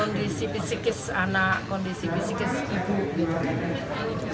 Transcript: kondisi fisikis anak kondisi fisikis ibu